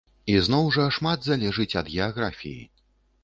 І зноў жа шмат залежыць ад геаграфіі.